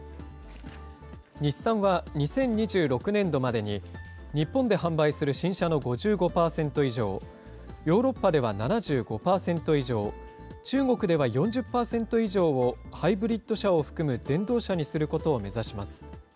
日産は２０２６年度までに、日本で販売する新車の５５％以上、ヨーロッパでは７５％以上、中国では４０％以上を、ハイブリッド車を含む電動車にすることを目指します。